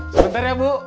sebentar ya bu